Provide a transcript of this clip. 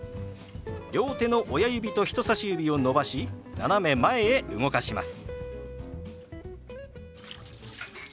両手の親指と人さし指を伸ばし斜め前へ動かします。